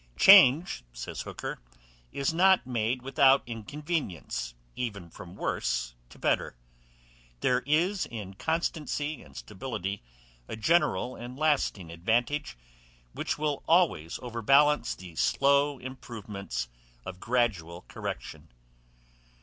Change, says Hooker, is not made without inconvenience, even from worse to better. There is in constancy and stability a general and lasting advantage, which will always overbalance the slow improvements of gradual correction.